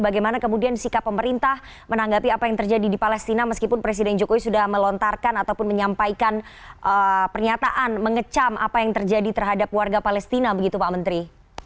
bagaimana kemudian sikap pemerintah menanggapi apa yang terjadi di palestina meskipun presiden jokowi sudah melontarkan ataupun menyampaikan pernyataan mengecam apa yang terjadi terhadap warga palestina begitu pak menteri